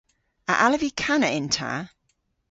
A allav vy kana yn ta?